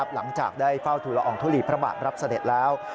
หลังจากได้เฝ้าทุลอองทุลีพระบาทรับเสด็จแล้ว